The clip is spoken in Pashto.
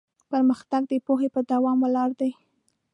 پرمختګ د پوهې په دوام ولاړ دی.